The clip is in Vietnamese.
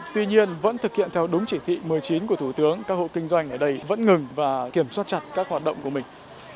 tuy nhiên vẫn thực hiện theo đúng chỉ thị một mươi chín của thủ tướng các hộ kinh doanh ở đây vẫn ngừng và kiểm soát chặt các hoạt động của mình